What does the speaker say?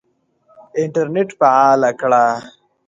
انټرنېټ فعاله کړه !